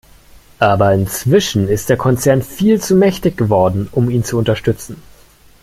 Aber inzwischen ist der Konzern viel zu mächtig geworden, um ihn zu unterstützen.